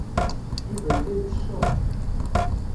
Yuba yella yettecceḍ.